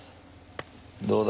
どうだ？